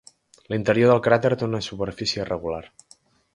L'interior del cràter té una superfície irregular.